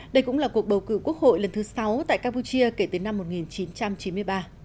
đây cũng là cuộc bầu cử quốc hội lần thứ sáu tại campuchia kể từ năm một nghìn chín trăm chín mươi ba